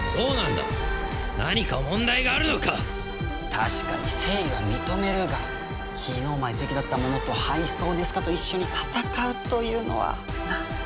確かに誠意は認めるが昨日まで敵だった者と「はいそうですか」と一緒に戦うというのはなあ？